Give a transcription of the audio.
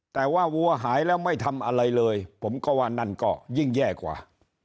แต่ว่าวัวหายแล้วไม่ทำอะไรเลยผมก็ว่านั่นก็ยิ่งแย่กว่า